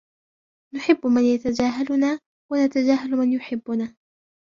نحب من يتجاهلنا ونتجاهلُ من يحبنا.